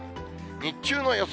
日中の予想